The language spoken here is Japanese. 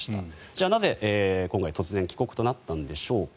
じゃあ、なぜ今回突然帰国となったんでしょうか。